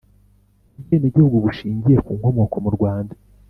ubwenegihugu bushingiye ku nkomoko mu rwanda